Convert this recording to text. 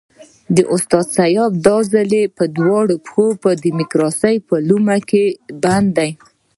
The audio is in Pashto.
استاد سیاف دا ځل په دواړو پښو د ډیموکراسۍ په لومه کې بند دی.